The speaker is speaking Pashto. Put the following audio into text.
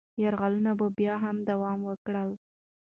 یرغلونه بیا هم دوام وکړل.